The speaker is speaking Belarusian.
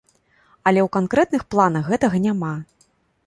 Але ў канкрэтных планах гэтага няма.